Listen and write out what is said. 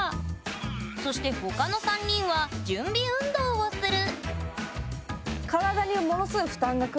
そして他の３人は「準備運動をする」